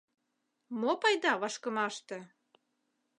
Мо пайда вашкымаште?